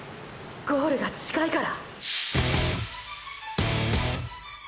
ゴールが近いから？